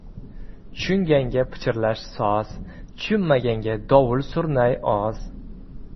• Tushunganga pichirlash soz, tushunmaganga dovul-surnay oz.